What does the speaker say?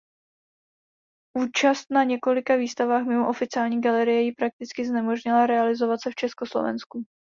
Účast na několika výstavách mimo oficiální galerie jí prakticky znemožnila realizovat se v Československu.